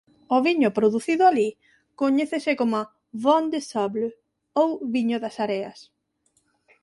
O viño producido alí coñécese coma "Vins des Sables" ou "viño das areas".